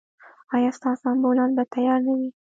ایا ستاسو امبولانس به تیار نه وي؟